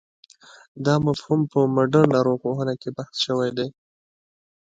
دا مفهوم په مډرنه ارواپوهنه کې بحث شوی دی.